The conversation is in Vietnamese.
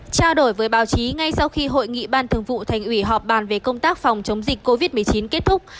trao đổi với báo chí ngay sau khi hội nghị ban thường vụ thành ủy họp bàn về công tác phòng chống dịch covid một mươi chín kết thúc